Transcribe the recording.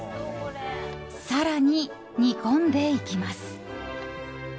更に煮込んでいきます。